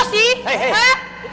anjay yang pumped up